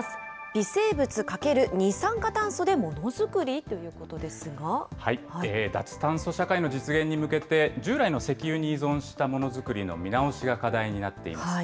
微生物×二酸化炭素でものづくり脱炭素社会の実現に向けて、従来の石油に依存したものづくりの見直しが課題になっています。